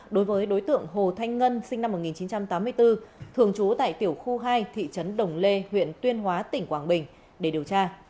đối với đối tượng hồ thanh ngân sinh năm một nghìn chín trăm tám mươi bốn thường trú tại tiểu khu hai thị trấn đồng lê huyện tuyên hóa tỉnh quảng bình để điều tra